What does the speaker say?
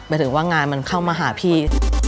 ถึงว่างานมันเข้ามาหาพี่